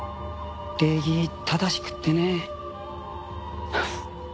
礼儀正しくてね。